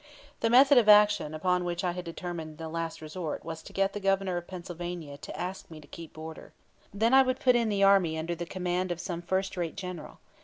The method of action upon which I had determined in the last resort was to get the Governor of Pennsylvania to ask me to keep order. Then I would put in the army under the command of some first rate general.